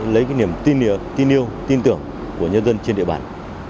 lấy cái niềm tin yêu tin tưởng của nhân dân trên địa bàn